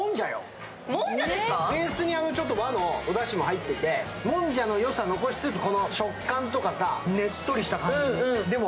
ベースに和のお味も入っててもんじゃの良さを残しつつ食感とかねっちょりした感じも。